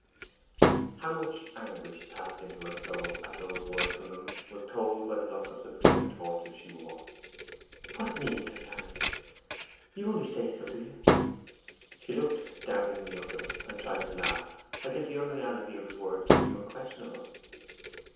How much anguish passed into her soul at those words from him was told by the look of supreme torture she wore. 'What meaning have you, Harry? You only say so, do you?' She looked doubtingly up at him, and tried to laugh, as if the unreality of his words must be unquestionable.